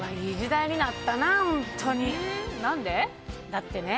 だってね。